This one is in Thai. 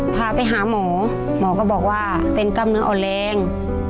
พาไปหาหมอหมอก็บอกว่าเป็นกล้ามเนื้ออ่อนแรง